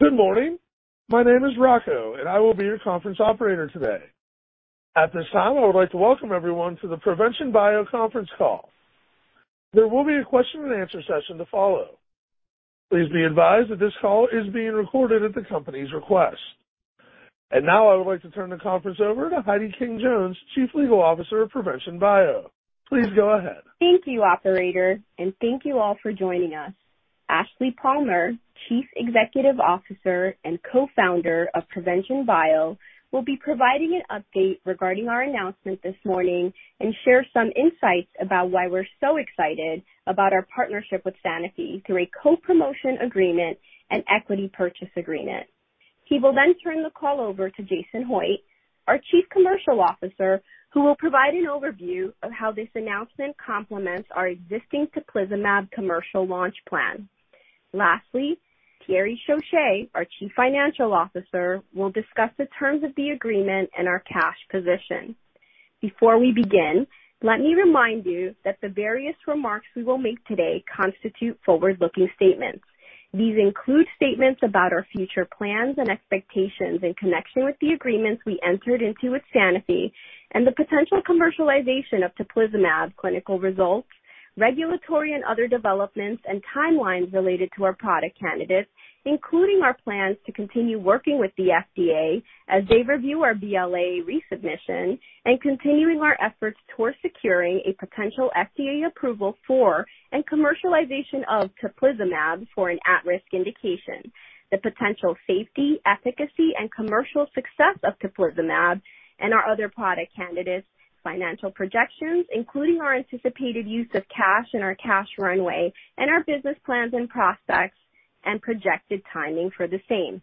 Good morning. My name is Rocco, and I will be your conference operator today. At this time, I would like to welcome everyone to the Provention Bio conference call. There will be a question and answer session to follow. Please be advised that this call is being recorded at the company's request. Now I would like to turn the conference over to Heidy King-Jones, Chief Legal Officer of Provention Bio. Please go ahead. Thank you, operator, and thank you all for joining us. Ashleigh Palmer, Chief Executive Officer and Co-Founder of Provention Bio, will be providing an update regarding our announcement this morning and share some insights about why we're so excited about our partnership with Sanofi through a co-promotion agreement and equity purchase agreement. He will then turn the call over to Jason Hoitt, our Chief Commercial Officer, who will provide an overview of how this announcement complements our existing teplizumab commercial launch plan. Lastly, Thierry Chauche, our Chief Financial Officer, will discuss the terms of the agreement and our cash position. Before we begin, let me remind you that the various remarks we will make today constitute forward-looking statements. These include statements about our future plans and expectations in connection with the agreements we entered into with Sanofi and the potential commercialization of teplizumab, clinical results, regulatory and other developments and timelines related to our product candidates, including our plans to continue working with the FDA as they review our BLA resubmission and continuing our efforts towards securing a potential FDA approval for and commercialization of teplizumab for an at-risk indication, the potential safety, efficacy, and commercial success of teplizumab and our other product candidates, financial projections, including our anticipated use of cash and our cash runway and our business plans and prospects and projected timing for the same.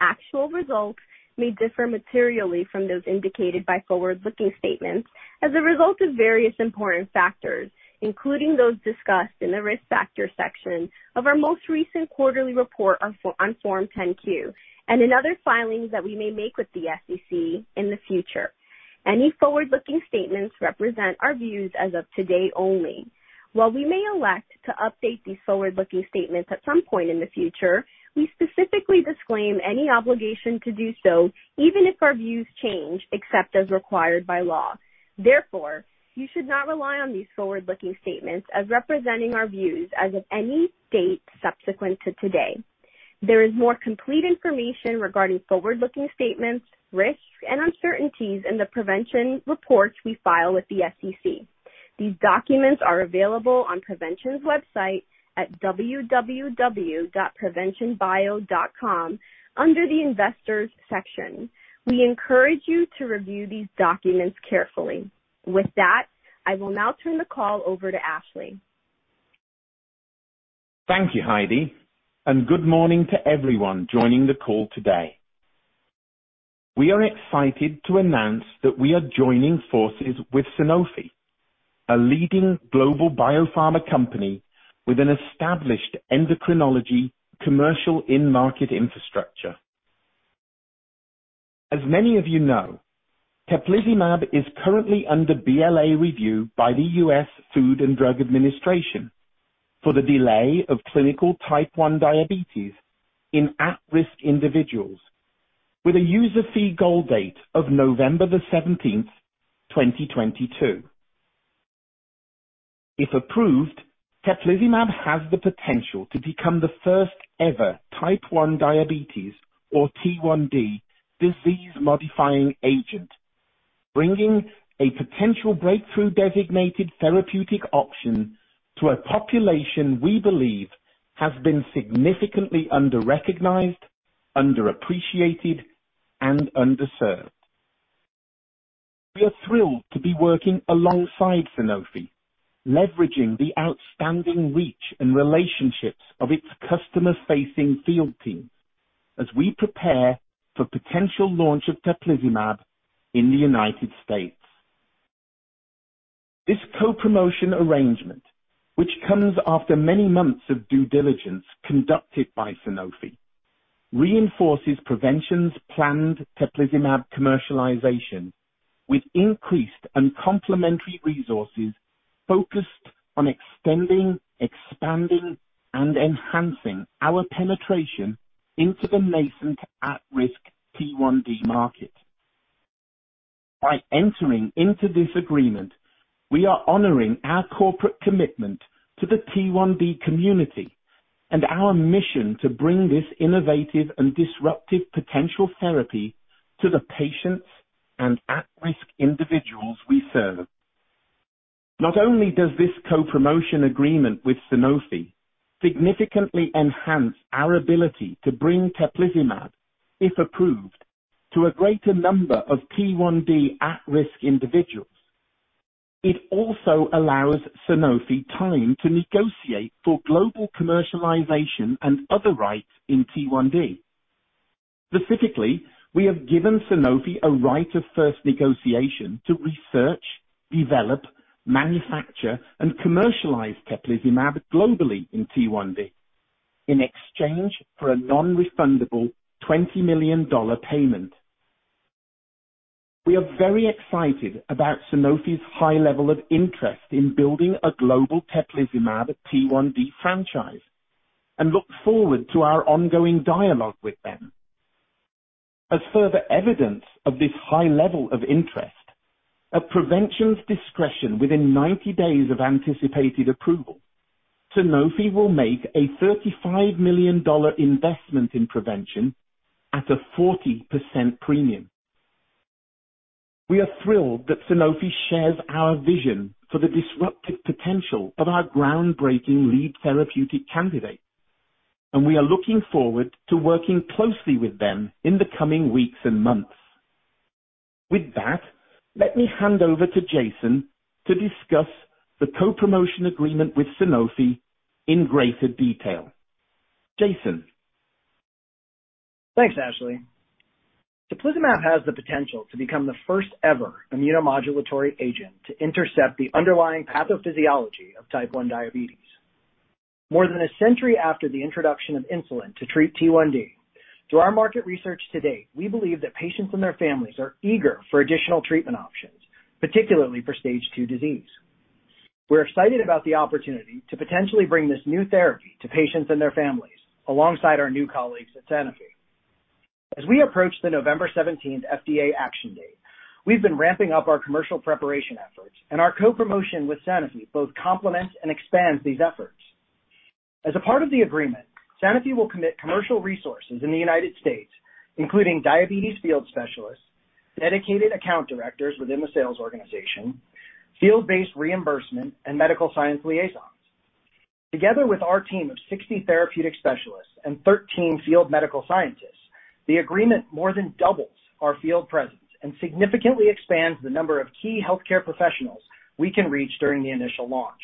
Actual results may differ materially from those indicated by forward-looking statements as a result of various important factors, including those discussed in the Risk Factor section of our most recent quarterly report on Form 10-Q and in other filings that we may make with the SEC in the future. Any forward-looking statements represent our views as of today only. While we may elect to update these forward-looking statements at some point in the future, we specifically disclaim any obligation to do so, even if our views change, except as required by law. Therefore, you should not rely on these forward-looking statements as representing our views as of any date subsequent to today. There is more complete information regarding forward-looking statements, risks, and uncertainties in the Provention reports we file with the SEC. These documents are available on Provention's website at www.proventionbio.com under the Investors section. We encourage you to review these documents carefully. With that, I will now turn the call over to Ashleigh. Thank you, Heidy, and good morning to everyone joining the call today. We are excited to announce that we are joining forces with Sanofi, a leading global biopharma company with an established endocrinology commercial in-market infrastructure. As many of you know, teplizumab is currently under BLA review by the U.S. Food and Drug Administration for the delay of clinical type one diabetes in at-risk individuals with a user fee goal date of November 17th, 2022. If approved, teplizumab has the potential to become the first-ever type one diabetes, or T1D, disease-modifying agent, bringing a potential breakthrough designated therapeutic option to a population we believe has been significantly under-recognized, underappreciated, and underserved. We are thrilled to be working alongside Sanofi, leveraging the outstanding reach and relationships of its customer-facing field teams as we prepare for potential launch of teplizumab in the United States. This co-promotion arrangement, which comes after many months of due diligence conducted by Sanofi, reinforces Provention's planned teplizumab commercialization with increased and complementary resources focused on extending, expanding, and enhancing our penetration into the nascent at-risk T1D market. By entering into this agreement, we are honoring our corporate commitment to the T1D community and our mission to bring this innovative and disruptive potential therapy to the patients and at-risk individuals we serve. Not only does this co-promotion agreement with Sanofi significantly enhance our ability to bring teplizumab, if approved, to a greater number of T1D at-risk individuals, it also allows Sanofi time to negotiate for global commercialization and other rights in T1D. Specifically, we have given Sanofi a right of first negotiation to research, develop, manufacture, and commercialize teplizumab globally in T1D in exchange for a non-refundable $20 million payment. We are very excited about Sanofi's high level of interest in building a global teplizumab T1D franchise and look forward to our ongoing dialogue with them. As further evidence of this high level of interest, at Provention's discretion within 90 days of anticipated approval, Sanofi will make a $35 million investment in Provention at a 40% premium. We are thrilled that Sanofi shares our vision for the disruptive potential of our groundbreaking lead therapeutic candidate, and we are looking forward to working closely with them in the coming weeks and months. With that, let me hand over to Jason to discuss the co-promotion agreement with Sanofi in greater detail. Jason? Thanks, Ashleigh. Teplizumab has the potential to become the first ever immunomodulatory agent to intercept the underlying pathophysiology of type one diabetes. More than a century after the introduction of insulin to treat T1D, through our market research to date, we believe that patients and their families are eager for additional treatment options, particularly for stage two disease. We're excited about the opportunity to potentially bring this new therapy to patients and their families, alongside our new colleagues at Sanofi. As we approach the November 17th FDA action date, we've been ramping up our commercial preparation efforts, and our co-promotion with Sanofi both complements and expands these efforts. As a part of the agreement, Sanofi will commit commercial resources in the United States, including diabetes field specialists, dedicated account directors within the sales organization, field-based reimbursement, and medical science liaisons. Together with our team of 60 therapeutic specialists and 13 field medical scientists, the agreement more than doubles our field presence and significantly expands the number of key healthcare professionals we can reach during the initial launch.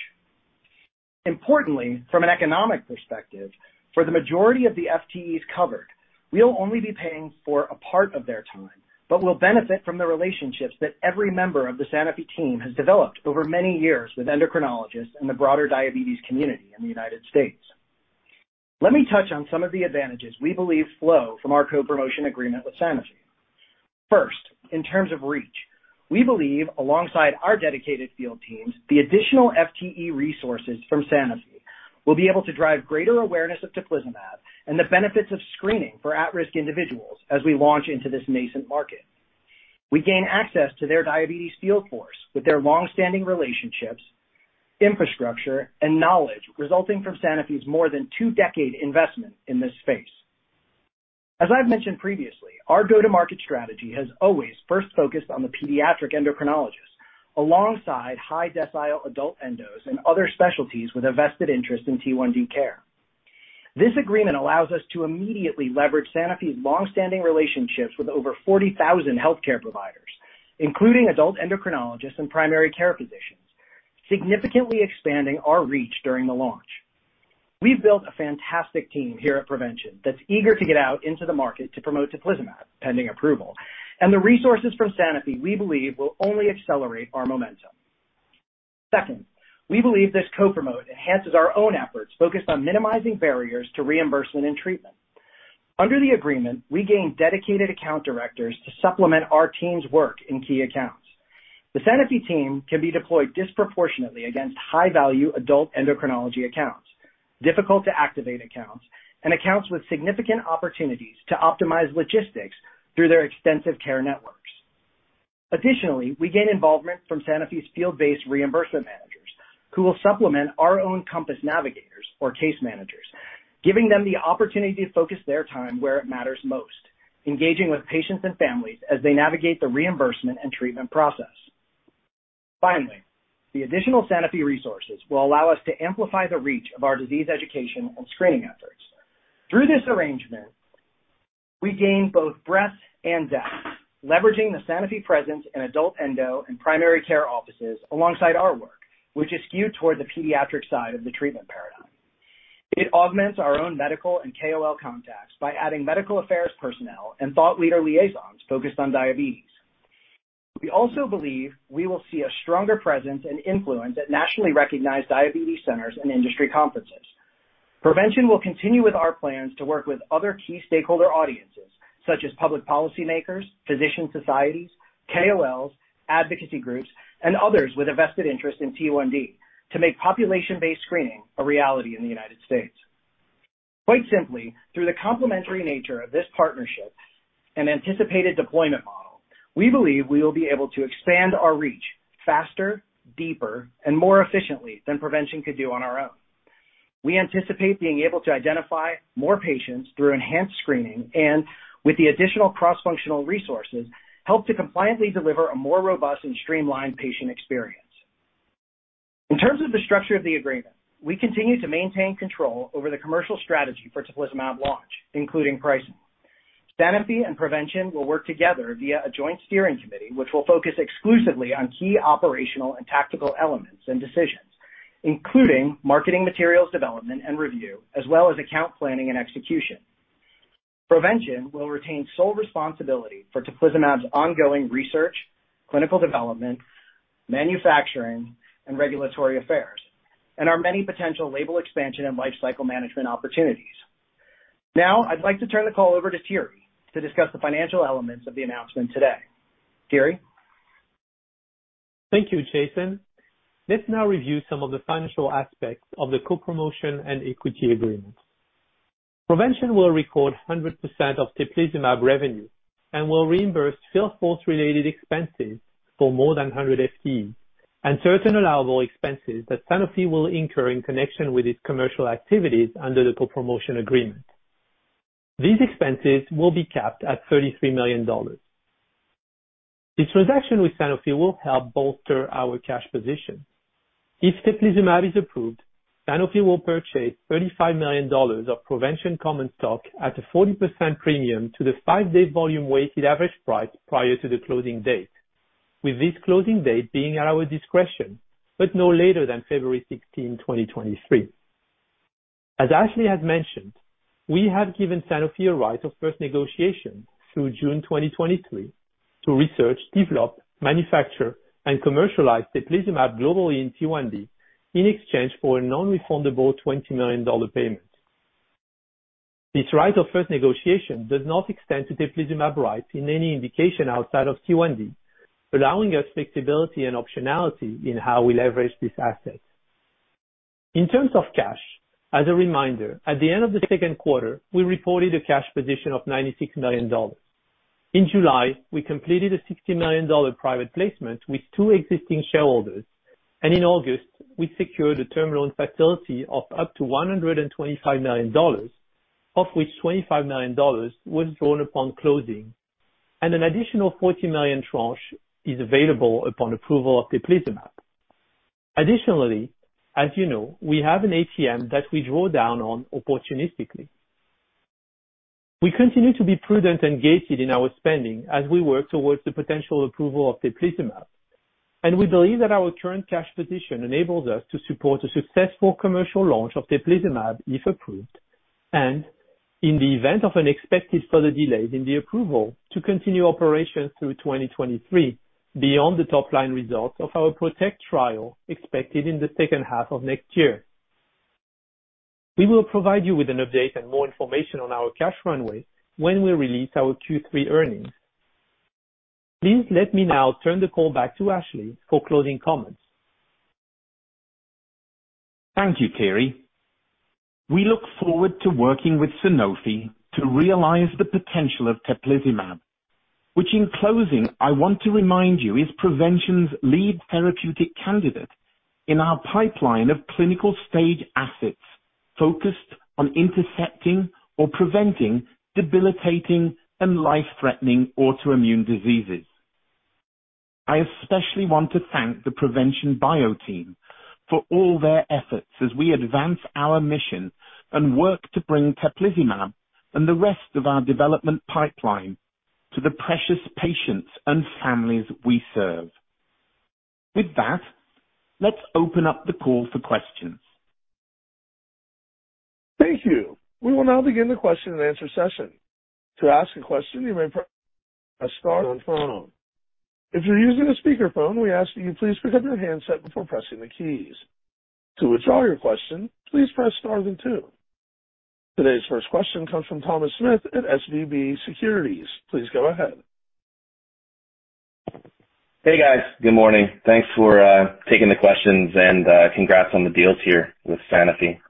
Importantly, from an economic perspective, for the majority of the FTEs covered, we'll only be paying for a part of their time, but will benefit from the relationships that every member of the Sanofi team has developed over many years with endocrinologists and the broader diabetes community in the United States. Let me touch on some of the advantages we believe flow from our co-promotion agreement with Sanofi. First, in terms of reach, we believe, alongside our dedicated field teams, the additional FTE resources from Sanofi will be able to drive greater awareness of teplizumab and the benefits of screening for at-risk individuals as we launch into this nascent market. We gain access to their diabetes field force with their long-standing relationships, infrastructure, and knowledge resulting from Sanofi's more than two-decade investment in this space. As I've mentioned previously, our go-to-market strategy has always first focused on the pediatric endocrinologist alongside high decile adult endos and other specialties with a vested interest in T1D care. This agreement allows us to immediately leverage Sanofi's long-standing relationships with over 40,000 healthcare providers, including adult endocrinologists and primary care physicians, significantly expanding our reach during the launch. We've built a fantastic team here at Provention that's eager to get out into the market to promote teplizumab, pending approval. The resources from Sanofi, we believe, will only accelerate our momentum. Second, we believe this co-promote enhances our own efforts focused on minimizing barriers to reimbursement and treatment. Under the agreement, we gain dedicated account directors to supplement our team's work in key accounts. The Sanofi team can be deployed disproportionately against high-value adult endocrinology accounts, difficult to activate accounts, and accounts with significant opportunities to optimize logistics through their extensive care networks. Additionally, we gain involvement from Sanofi's field-based reimbursement managers, who will supplement our own COMPASS navigators or case managers, giving them the opportunity to focus their time where it matters most, engaging with patients and families as they navigate the reimbursement and treatment process. Finally, the additional Sanofi resources will allow us to amplify the reach of our disease education and screening efforts. Through this arrangement, we gain both breadth and depth, leveraging the Sanofi presence in adult endo and primary care offices alongside our work, which is skewed toward the pediatric side of the treatment paradigm. It augments our own medical and KOL contacts by adding medical affairs personnel and thought leader liaisons focused on diabetes. We also believe we will see a stronger presence and influence at nationally recognized diabetes centers and industry conferences. Provention will continue with our plans to work with other key stakeholder audiences such as public policymakers, physician societies, KOLs, advocacy groups, and others with a vested interest in T1D to make population-based screening a reality in the United States. Quite simply, through the complementary nature of this partnership and anticipated deployment model, we believe we will be able to expand our reach faster, deeper, and more efficiently than Provention could do on our own. We anticipate being able to identify more patients through enhanced screening and, with the additional cross-functional resources, help to compliantly deliver a more robust and streamlined patient experience. In terms of the structure of the agreement, we continue to maintain control over the commercial strategy for teplizumab launch, including pricing. Sanofi and Provention Bio will work together via a joint steering committee, which will focus exclusively on key operational and tactical elements and decisions, including marketing materials development and review, as well as account planning and execution. Provention will retain sole responsibility for teplizumab's ongoing research, clinical development, manufacturing, and regulatory affairs, and our many potential label expansion and lifecycle management opportunities. Now I'd like to turn the call over to Thierry to discuss the financial elements of the announcement today. Thierry? Thank you, Jason. Let's now review some of the financial aspects of the co-promotion and equity agreement. Provention will record 100% of teplizumab revenue and will reimburse sales force-related expenses for more than 100 FTEs and certain allowable expenses that Sanofi will incur in connection with its commercial activities under the co-promotion agreement. These expenses will be capped at $33 million. This transaction with Sanofi will help bolster our cash position. If teplizumab is approved, Sanofi will purchase $35 million of Provention common stock at a 40% premium to the five-day volume weighted average price prior to the closing date, with this closing date being at our discretion, but no later than February 16th, 2023. As Ashleigh has mentioned, we have given Sanofi a right of first negotiation through June 2023 to research, develop, manufacture, and commercialize teplizumab globally in T1D in exchange for a non-refundable $20 million payment. This right of first negotiation does not extend to teplizumab rights in any indication outside of T1D, allowing us flexibility and optionality in how we leverage this asset. In terms of cash, as a reminder, at the end of the second quarter, we reported a cash position of $96 million. In July, we completed a $60 million private placement with two existing shareholders, and in August, we secured a term loan facility of up to $125 million, of which $25 million was drawn upon closing, and an additional $40 million tranche is available upon approval of teplizumab. Additionally, as you know, we have an ATM that we draw down on opportunistically. We continue to be prudent and gated in our spending as we work towards the potential approval of teplizumab. We believe that our current cash position enables us to support a successful commercial launch of teplizumab if approved, and in the event of an expected further delay in the approval to continue operations through 2023, beyond the top line results of our PROTECT trial expected in the second half of next year. We will provide you with an update and more information on our cash runway when we release our Q3 earnings. Please let me now turn the call back to Ashleigh for closing comments. Thank you, Thierry. We look forward to working with Sanofi to realize the potential of teplizumab, which in closing, I want to remind you, is Provention's lead therapeutic candidate in our pipeline of clinical stage assets focused on intercepting or preventing debilitating and life-threatening autoimmune diseases. I especially want to thank the Provention Bio team for all their efforts as we advance our mission and work to bring teplizumab and the rest of our development pipeline to the precious patients and families we serve. With that, let's open up the call for questions. Thank you. We will now begin the question and answer session. To ask a question, you may press star one. If you're using a speakerphone, we ask that you please pick up your handset before pressing the keys. To withdraw your question, please press star then two. Today's first question comes from Thomas Smith at SVB Securities. Please go ahead. Hey, guys. Good morning. Thanks for taking the questions, and congrats on the deals here with Sanofi.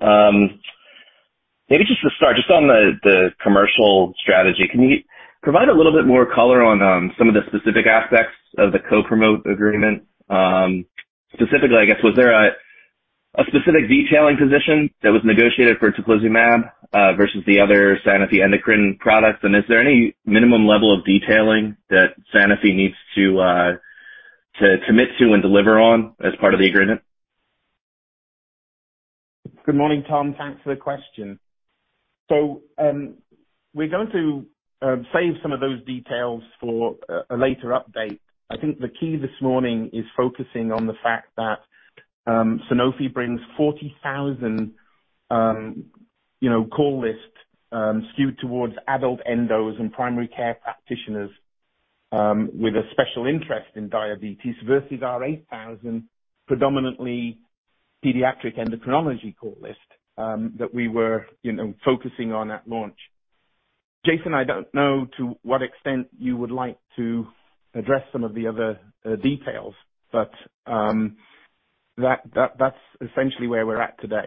Maybe just to start, just on the commercial strategy, can you provide a little bit more color on some of the specific aspects of the co-promote agreement? Specifically, I guess, was there a specific detailing position that was negotiated for teplizumab versus the other Sanofi endocrine products? And is there any minimum level of detailing that Sanofi needs to commit to and deliver on as part of the agreement? Good morning, Tom. Thanks for the question. We're going to save some of those details for a later update. I think the key this morning is focusing on the fact that Sanofi brings 40,000 you know, call lists skewed towards adult endos and primary care practitioners with a special interest in diabetes versus our 8,000 predominantly pediatric endocrinology call list that we were you know, focusing on at launch. Jason, I don't know to what extent you would like to address some of the other details, but that's essentially where we're at today.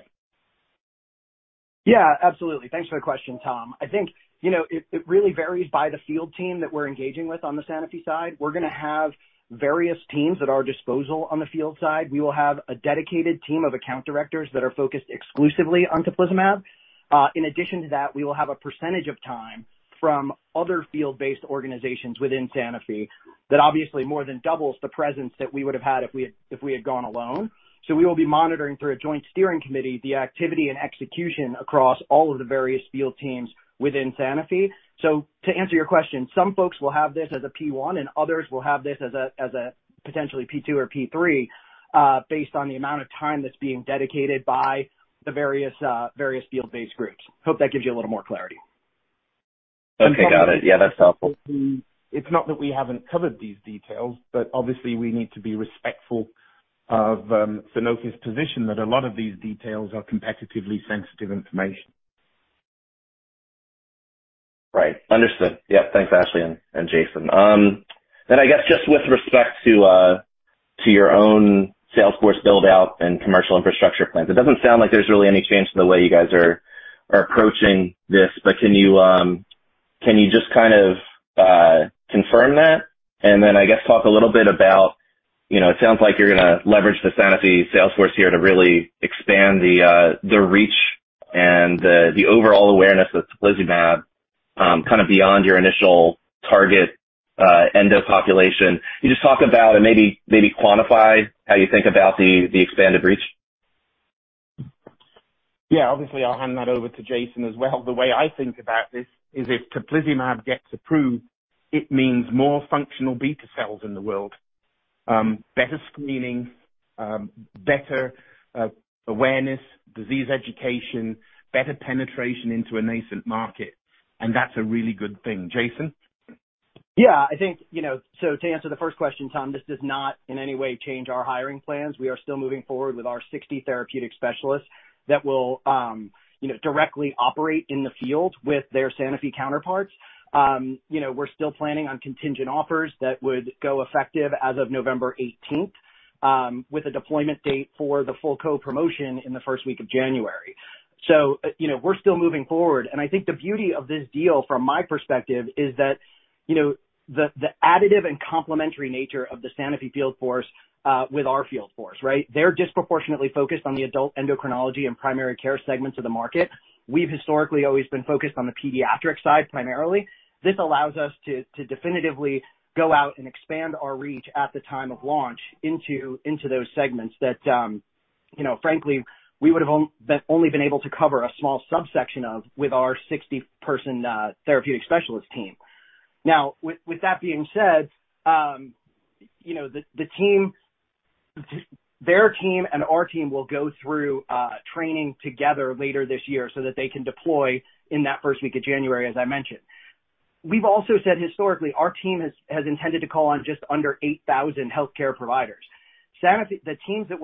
Yeah, absolutely. Thanks for the question, Tom. I think, you know, it really varies by the field team that we're engaging with on the Sanofi side. We're gonna have various teams at our disposal on the field side. We will have a dedicated team of account directors that are focused exclusively on teplizumab. In addition to that, we will have a percentage of time from other field-based organizations within Sanofi that obviously more than doubles the presence that we would have had if we had gone alone. We will be monitoring through a joint steering committee the activity and execution across all of the various field teams within Sanofi. To answer your question, some folks will have this as a P one, and others will have this as a potentially P two or P three, based on the amount of time that's being dedicated by the various field-based groups. Hope that gives you a little more clarity. Okay. Got it. Yeah, that's helpful. It's not that we haven't covered these details, but obviously we need to be respectful of Sanofi's position that a lot of these details are competitively sensitive information. Right. Understood. Yeah. Thanks, Ashleigh and Jason. Then I guess just with respect to your own sales force build out and commercial infrastructure plans, it doesn't sound like there's really any change in the way you guys are approaching this. Can you just kind of confirm that? Then I guess talk a little bit about, you know, it sounds like you're gonna leverage the Sanofi sales force here to really expand the reach and the overall awareness of teplizumab, kind of beyond your initial target endo population. Can you just talk about and maybe quantify how you think about the expanded reach? Yeah. Obviously, I'll hand that over to Jason as well. The way I think about this is if teplizumab gets approved, it means more functional beta cells in the world, better screening, better, awareness, disease education, better penetration into a nascent market, and that's a really good thing. Jason? Yeah. I think, you know, to answer the first question, Tom, this does not in any way change our hiring plans. We are still moving forward with our 60 therapeutic specialists that will, you know, directly operate in the field with their Sanofi counterparts. You know, we're still planning on contingent offers that would go effective as of November 18th, with a deployment date for the full co-promotion in the first week of January. You know, we're still moving forward. I think the beauty of this deal from my perspective is that, you know, the additive and complementary nature of the Sanofi field force with our field force, right? They're disproportionately focused on the adult endocrinology and primary care segments of the market. We've historically always been focused on the pediatric side, primarily. This allows us to definitively go out and expand our reach at the time of launch into those segments that, frankly, we would have only been able to cover a small subsection of with our 60-person therapeutic specialist team. Now, with that being said, their team and our team will go through training together later this year so that they can deploy in that first week of January, as I mentioned. We've also said historically, our team has intended to call on just under 8,000 healthcare providers. Sanofi. The teams that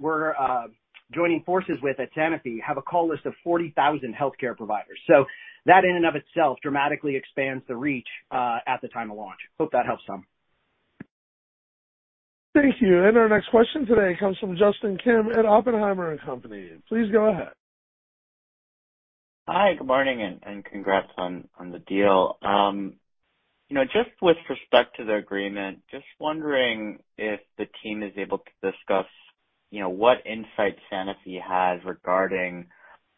we're joining forces with at Sanofi have a call list of 40,000 healthcare providers. That in and of itself dramatically expands the reach at the time of launch. Hope that helps, Tom. Thank you. Our next question today comes from Justin Kim at Oppenheimer & Company. Please go ahead. Hi. Good morning, and congrats on the deal. You know, just with respect to the agreement, just wondering if the team is able to discuss, you know, what insight Sanofi has regarding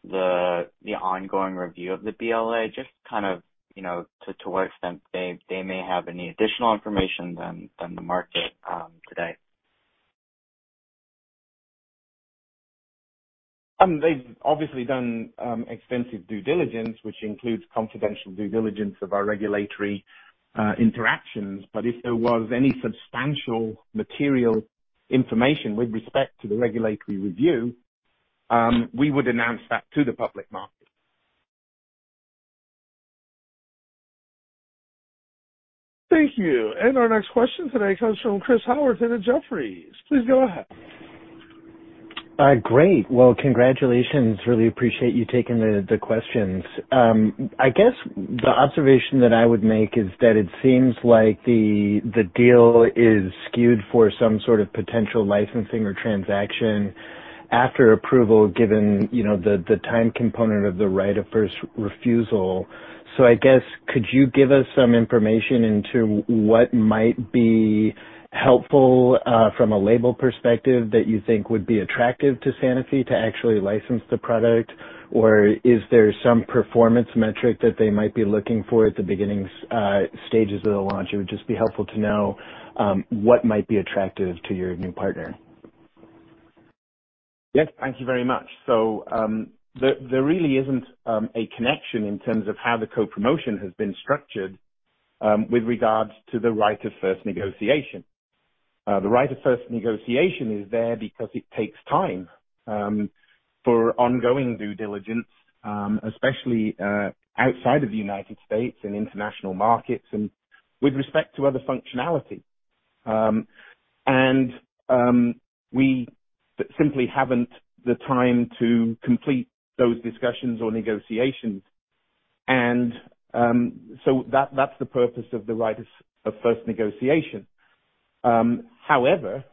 the ongoing review of the BLA. Just kind of, you know, to what extent they may have any additional information than the market today. They've obviously done extensive due diligence, which includes confidential due diligence of our regulatory interactions. If there was any substantial material information with respect to the regulatory review, we would announce that to the public market. Thank you. Our next question today comes from Chris Howerton at Jefferies. Please go ahead. Great. Well, congratulations. Really appreciate you taking the questions. I guess the observation that I would make is that it seems like the deal is skewed for some sort of potential licensing or transaction after approval, given, you know, the time component of the right of first refusal. I guess, could you give us some information into what might be helpful, from a label perspective that you think would be attractive to Sanofi to actually license the product? Or is there some performance metric that they might be looking for at the beginning stages of the launch? It would just be helpful to know what might be attractive to your new partner. Yes. Thank you very much. There really isn't a connection in terms of how the co-promotion has been structured with regards to the right of first negotiation. The right of first negotiation is there because it takes time for ongoing due diligence, especially outside of the United States and international markets and with respect to other functionality. We simply haven't the time to complete those discussions or negotiations. That's the purpose of the right of first negotiation. However,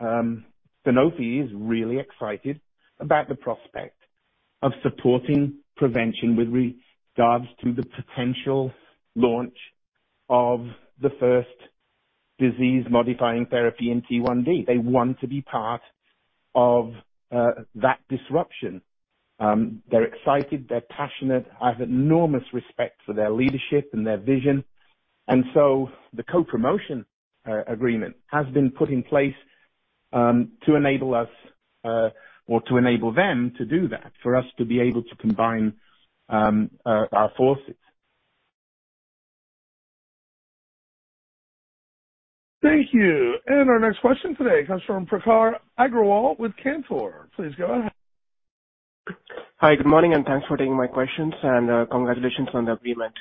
Sanofi is really excited about the prospect of supporting Provention with regards to the potential launch of the first disease-modifying therapy in T1D. They want to be part of that disruption. They're excited, they're passionate. I have enormous respect for their leadership and their vision. The co-promotion agreement has been put in place to enable us or to enable them to do that, for us to be able to combine our forces. Thank you. Our next question today comes from Prakhar Agrawal with Cantor. Please go ahead. Hi, good morning, and thanks for taking my questions, and congratulations on the agreement.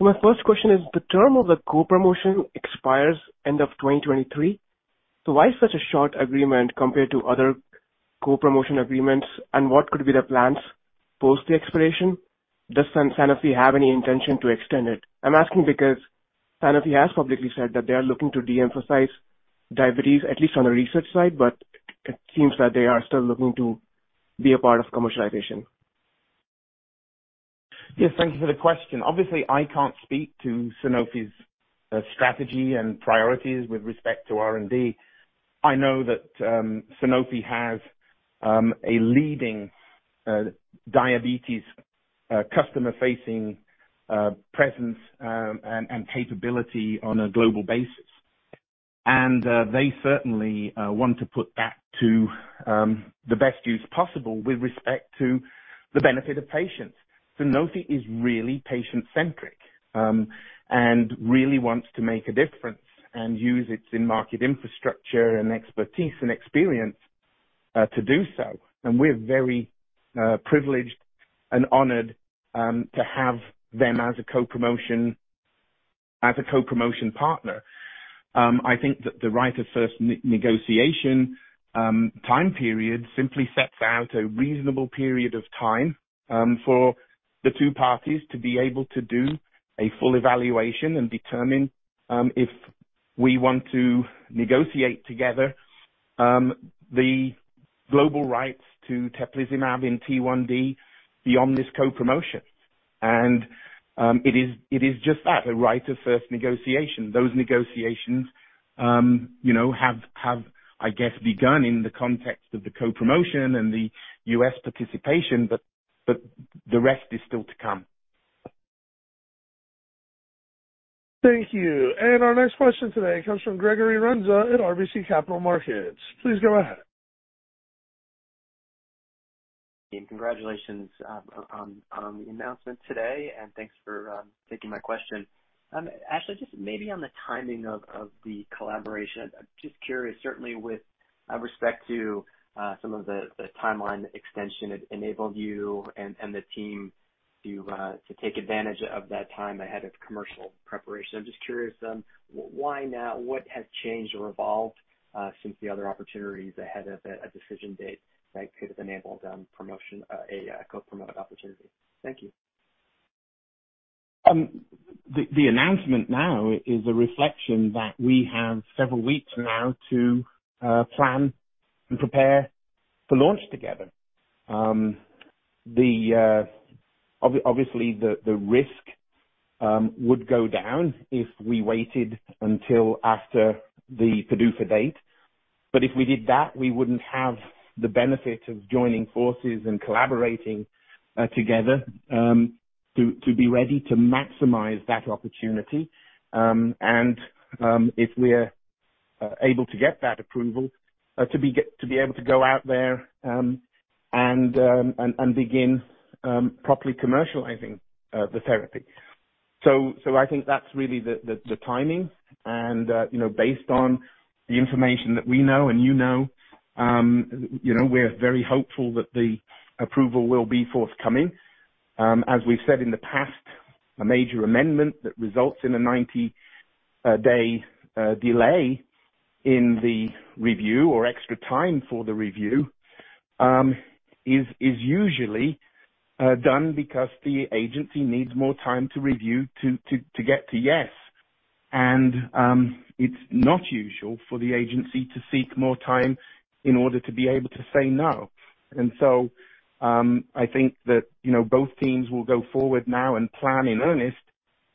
My first question is: The term of the co-promotion expires end of 2023, so why such a short agreement compared to other co-promotion agreements, and what could be the plans post the expiration? Does Sanofi have any intention to extend it? I'm asking because Sanofi has publicly said that they are looking to de-emphasize diabetes, at least on the research side, but it seems that they are still looking to be a part of commercialization. Yes, thank you for the question. Obviously, I can't speak to Sanofi's strategy and priorities with respect to R&D. I know that Sanofi has a leading diabetes customer-facing presence and capability on a global basis. They certainly want to put that to the best use possible with respect to the benefit of patients. Sanofi is really patient-centric and really wants to make a difference and use its in-market infrastructure and expertise and experience to do so. We're very privileged and honored to have them as a co-promotion partner. I think that the right of first negotiation time period simply sets out a reasonable period of time for the two parties to be able to do a full evaluation and determine if we want to negotiate together the global rights to teplizumab in T1D beyond this co-promotion. It is just that, a right of first negotiation. Those negotiations, you know, have I guess begun in the context of the co-promotion and the U.S. participation, but the rest is still to come. Thank you. Our next question today comes from Gregory Renza at RBC Capital Markets. Please go ahead. Congratulations on the announcement today, and thanks for taking my question. Ashleigh, just maybe on the timing of the collaboration. I'm just curious, certainly with respect to some of the timeline extension it enabled you and the team to take advantage of that time ahead of commercial preparation. I'm just curious, why now? What has changed or evolved since the other opportunities ahead of a decision date that could have enabled a co-promoted opportunity. Thank you. The announcement now is a reflection that we have several weeks now to plan and prepare for launch together. Obviously the risk would go down if we waited until after the PDUFA date. If we did that, we wouldn't have the benefit of joining forces and collaborating together to be ready to maximize that opportunity. If we're able to get that approval to be able to go out there and begin properly commercializing the therapy. I think that's really the timing. You know, based on the information that we know and you know, you know, we're very hopeful that the approval will be forthcoming. As we've said in the past, a major amendment that results in a 90-day delay in the review or extra time for the review is usually done because the agency needs more time to review to get to yes. It's not usual for the agency to seek more time in order to be able to say no. I think that, you know, both teams will go forward now and plan in earnest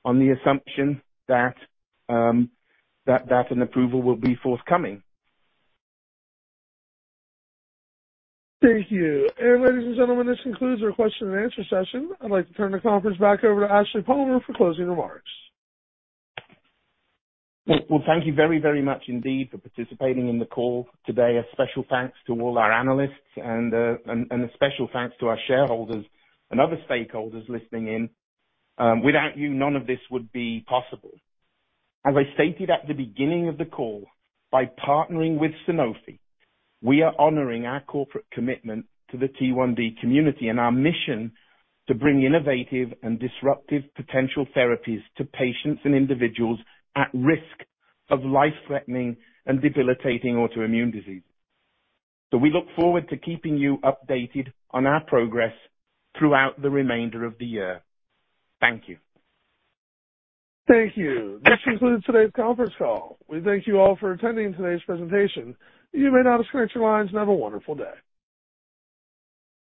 on the assumption that an approval will be forthcoming. Thank you. Ladies and gentlemen, this concludes our question and answer session. I'd like to turn the conference back over to Ashleigh Palmer for closing remarks. Well, thank you very, very much indeed for participating in the call today. A special thanks to all our analysts and a special thanks to our shareholders and other stakeholders listening in. Without you, none of this would be possible. As I stated at the beginning of the call, by partnering with Sanofi, we are honoring our corporate commitment to the T1D community and our mission to bring innovative and disruptive potential therapies to patients and individuals at risk of life-threatening and debilitating autoimmune disease. We look forward to keeping you updated on our progress throughout the remainder of the year. Thank you. Thank you. This concludes today's conference call. We thank you all for attending today's presentation. You may now disconnect your lines and have a wonderful day.